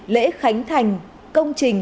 lễ khánh thành công trình